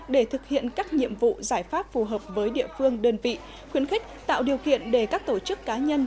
để thực hiện các nhiệm vụ giải pháp phù hợp với địa phương đơn vị khuyến khích tạo điều kiện để các tổ chức cá nhân